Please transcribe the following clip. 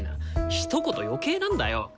ひと言余計なんだよ。